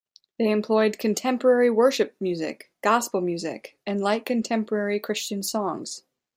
This employed contemporary worship music, gospel music, and light contemporary Christian songs.